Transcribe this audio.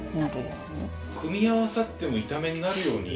組み合わさっても板目になるように。